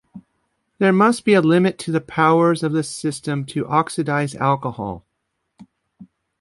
There must be a limit to the powers of the system to oxidize alcohol.